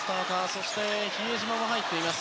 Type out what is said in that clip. そして比江島も入っています。